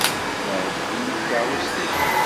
Teεǧeb-iyi tkerrust-im.